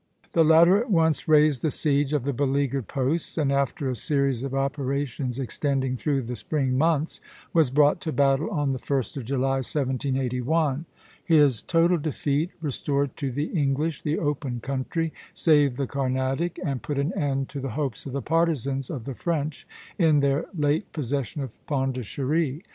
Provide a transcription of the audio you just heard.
The latter at once raised the siege of the beleaguered posts, and after a series of operations extending through the spring months, was brought to battle on the 1st of July, 1781. His total defeat restored to the English the open country, saved the Carnatic, and put an end to the hopes of the partisans of the French in their late possession of Pondicherry.